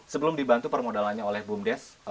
sebelum dibantu permodalannya oleh bumdes